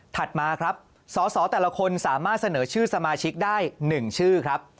มาครับสอสอแต่ละคนสามารถเสนอชื่อสมาชิกได้๑ชื่อครับ